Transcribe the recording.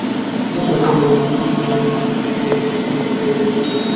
ঈশ্বর সম্বন্ধে য়াহুদী ও মুসলমানগণের ধারণা যে, তিনি একজন আদালতের বড় বিচারক।